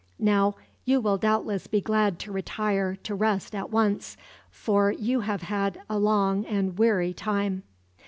Now, you will doubtless be glad to retire to rest at once, for you have had a long and weary time."